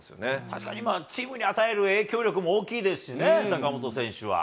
確かにチームに与える影響力も大きいですしね、坂本選手は。